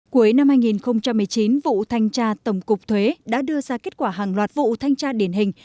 cuối năm hai nghìn một mươi chín vụ thanh tra tổng cục thuế đã đưa ra kết quả hàng loạt vụ thanh tra điển hình